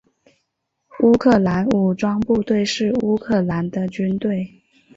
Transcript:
乌克兰武装部队是乌克兰的军队。